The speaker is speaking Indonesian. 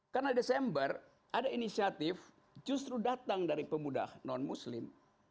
karena desember ada inisiatif justru datang dari pemuda non muslim